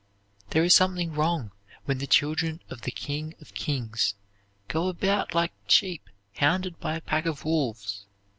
There is something wrong when the children of the King of kings go about like sheep hounded by a pack of wolves.